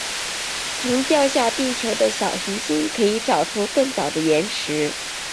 从掉下地球的小行星可以找出更早的岩石。